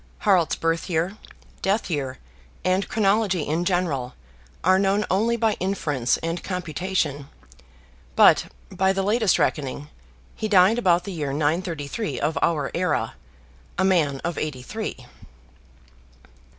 Harald's birth year, death year, and chronology in general, are known only by inference and computation; but, by the latest reckoning, he died about the year 933 of our era, a man of eighty three.